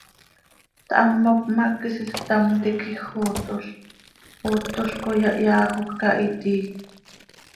Thamoc ma, quisiil ctam tiquij xootol, ootolc coi ha yaajoj cah itii.